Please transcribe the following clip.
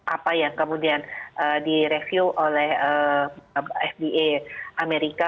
apa yang kemudian di review oleh fba amerika